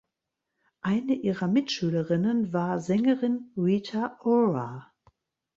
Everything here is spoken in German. Eine ihrer Mitschülerinnen war Sängerin Rita Ora.